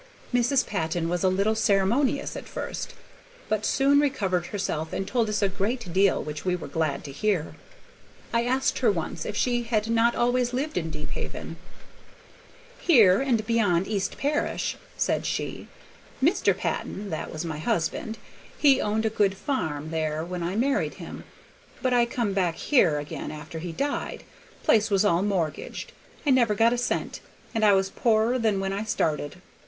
Mrs. Patton was a little ceremonious at first, but soon recovered herself and told us a great deal which we were glad to hear. I asked her once if she had not always lived at Deephaven. "Here and beyond East Parish," said she. "Mr. Patton, that was my husband, he owned a good farm there when I married him, but I come back here again after he died; place was all mortgaged. I never got a cent, and I was poorer than when I started.